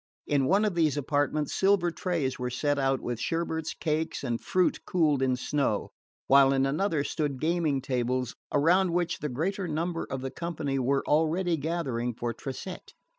In one of these apartments silver trays were set out with sherbets, cakes, and fruit cooled in snow, while in another stood gaming tables around which the greater number of the company were already gathering for tresette.